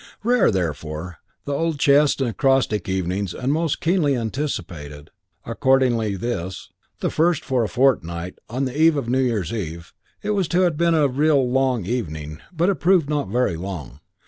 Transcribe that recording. Rare, therefore, the old chess and acrostic evenings and most keenly anticipated, accordingly, this the first for a fortnight on the eve of New Year's Eve. It was to have been a real long evening; but it proved not very long.